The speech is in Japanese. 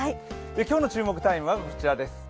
今日の注目タイムはこちらです。